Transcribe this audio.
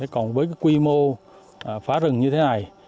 còn với quy mô phá rừng như thế này